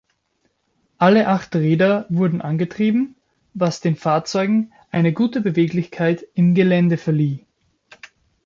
Alle acht Räder wurden angetrieben, was den Fahrzeugen eine gute Beweglichkeit im Gelände verlieh.